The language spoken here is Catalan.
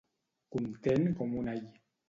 Content com un all.